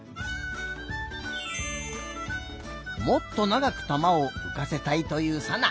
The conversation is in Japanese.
もっとながく玉をうかせたいというさな。